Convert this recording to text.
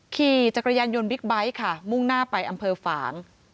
ขี่จักรยานยนต์บิ๊กไบท์ค่ะมุ่งหน้าไปอำเภอฝาง